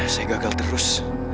saya gagal terus